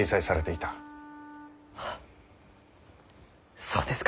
あそうですか。